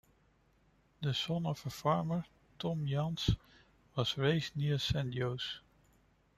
The son of a farmer, Tom Jans was raised near San Jose.